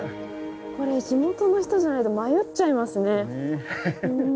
これ地元の人じゃないと迷っちゃいますね。